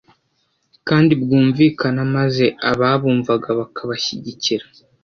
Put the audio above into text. kandi bwumvikana maze ababumvaga bakabashyigikira.